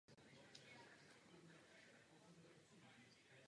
V té době měl mít Al Capone za sebou dvě vraždy.